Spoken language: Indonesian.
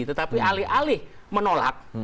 tetapi alih alih menolak